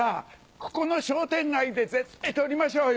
ここの商店街で絶対撮りましょうよ！